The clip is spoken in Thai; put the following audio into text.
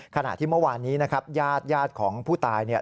ขณะที่เมื่อวานนี้ญาติของผู้ตาย